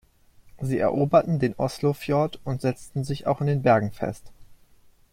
Sie eroberten den Oslofjord und setzten sich auch in Bergen fest.